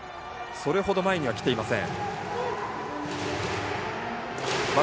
それほど前に来ていません。